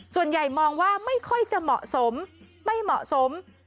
ส่วนใหญ่มองว่าไม่ค่อยจะเหมาะสมไม่เหมาะสม